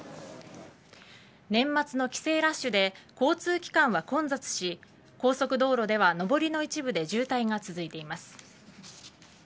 年末の帰省ラッシュで交通機関は混雑し高速道路では上りの一部で渋滞が続いています。